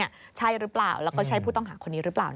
พอว่าใช่รึเปล่าแล้วก็ใช่ผู้ต้องหาคนนี้รึเปล่า